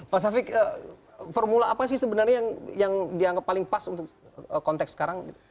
pak safik formula apa sih sebenarnya yang dianggap paling pas untuk konteks sekarang